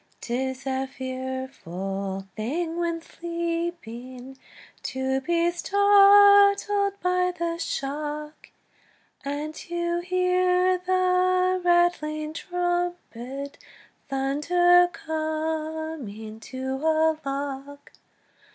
'Tis a fearful thing when sleeping To be startled by the shock, And to hear the rattling trumpet Thunder, "Coming to a lock!"